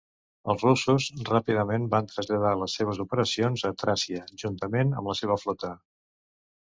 Els russos ràpidament van traslladar les seves operacions a Tràcia, juntament amb la seva flota.